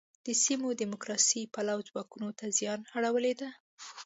د سیمې دیموکراسي پلوو ځواکونو ته زیان اړولی دی.